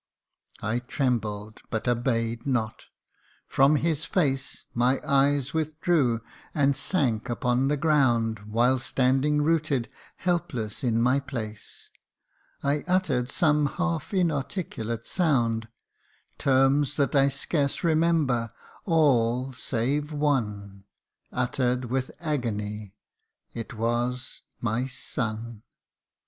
I trembled, but obey'd not ; from his face My eyes withdrew, and sank upon the ground : While standing rooted, helpless, in my place, I utter'd some half inarticulate sound Terms that I scarce remember all, save one, Utter'd with agony it was, ' My son.'